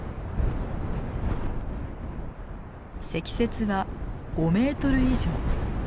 積雪は５メートル以上。